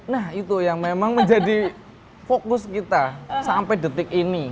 nah itu yang memang menjadi fokus kita sampai detik ini